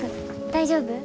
大丈夫や。